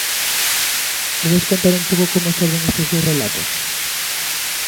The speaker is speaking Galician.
Podes contar un pouco como xorden estes dous relatos?